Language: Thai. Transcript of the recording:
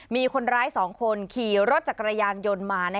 มีคนร้าย๒คนขี่รถจักรยานยนต์มา